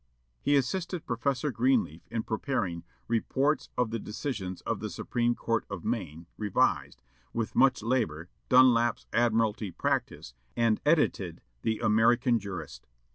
He assisted Professor Greenleaf in preparing "Reports of the Decisions of the Supreme Court of Maine," revised, with much labor, Dunlap's "Admiralty Practice," and edited "The American Jurist."